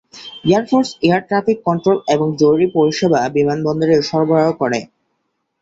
Air force air traffic control এবং জরুরী পরিষেবা বিমানবন্দরে সরবরাহ করে।